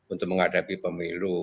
untuk menghadapi pemilu